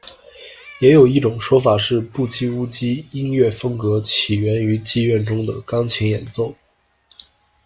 也有一种说法是“布基乌基”音乐风格起源于妓院中的钢琴演奏。